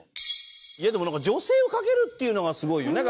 いやでもなんか女性を書けるっていうのがすごいよね。